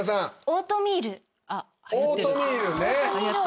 オートミールね。